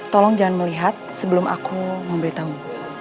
tolong jangan melihat sebelum aku memberitahu